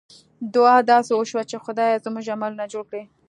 دعا داسې وشوه چې خدایه! زموږ عملونه جوړ کړې.